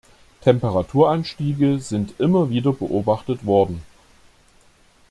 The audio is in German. Temperaturanstiege sind immer wieder beobachtet worden.